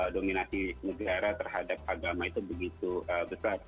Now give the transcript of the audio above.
dominasi negara terhadap agama itu begitu besar